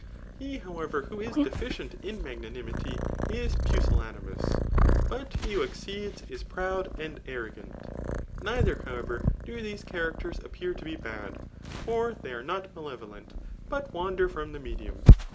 He, however, who is deficient in magnammity, tt pusillanimous ; but he who exceeds, is prood and arro gant. Neither, however, do these characters appear to be bad ; for they are not malevolent, but wander from the medium.